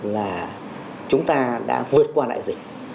là chúng ta đã vượt qua đại dịch